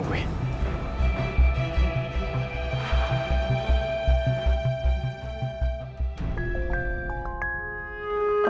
dibenci lagi sama gue